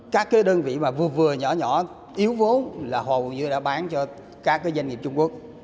các cái đơn vị mà vừa vừa nhỏ nhỏ yếu vốn là hầu như đã bán cho các doanh nghiệp trung quốc